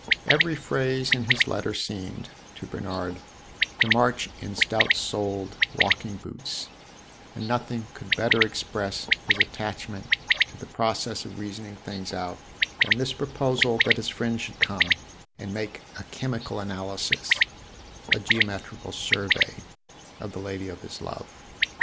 Every phrase in his letter seemed, to Bernard, to march in stout soled walking boots, and nothing could better express his attachment to the process of reasoning things out than this proposal that his friend should come and make a chemical analysis a geometrical survey of the lady of his love.